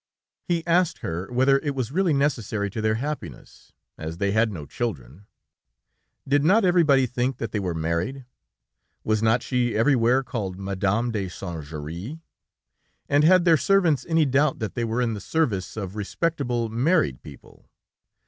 He asked her whether it was really necessary to their happiness, as they had no children? Did not everybody think that they were married? Was not she everywhere called Madame de Saint Juéry, and had their servants any doubt that they were in the service of respectable, married people?